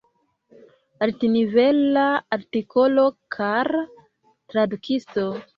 Altnivela artikolo, kara tradukisto.